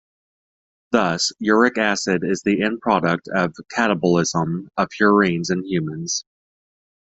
Thus uric acid is the end product of catabolism of purines in humans.